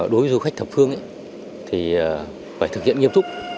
đối với du khách thập phương thì phải thực hiện nghiêm túc